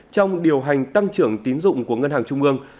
trong điều hành tăng trưởng tín dụng của ngân hàng trung ương